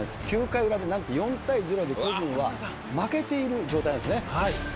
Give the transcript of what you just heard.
９回裏でなんと４対０で巨人は負けている状態なんですね。